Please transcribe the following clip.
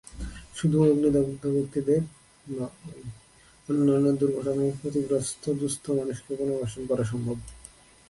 শুধু অগ্নিদগ্ধ ব্যক্তিদের নয়, অন্যান্য দুর্ঘটনায় ক্ষতিগ্রস্ত দুস্থ মানুষকেও পুনর্বাসন করা সম্ভব।